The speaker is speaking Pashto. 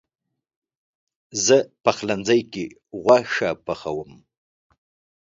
زه پخلنځي کې غوښه پخوم.